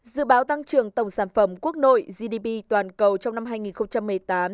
dự báo tăng trưởng tổng sản phẩm quốc nội gdp toàn cầu trong năm hai nghìn một mươi tám